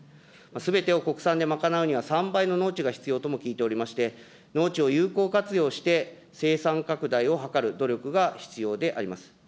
すべてを国産で賄うには３倍の農地が必要とも聞いておりまして、農地を有効活用して、生産拡大を図る努力が必要であります。